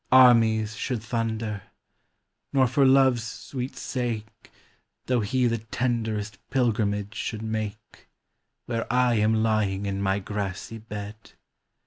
Armies should thunder; nor for Love's sweet sake, Though he the tenderest pilgrimage should make Where I am lying in my grassy bed.